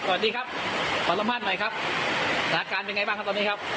สวัสดีครับปรับรับมาหน่อยครับรักการเป็นไงบ้างครับตอนนี้ครับ